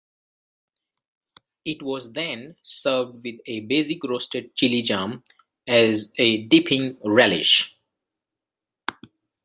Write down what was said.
It was then served with a basic roasted chili jam as a dipping relish.